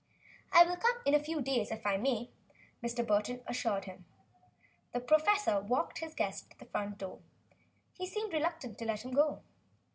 "I will come in a few days, if I may," Burton assured him. The professor walked with his guest to the front door. He seemed reluctant to let him go.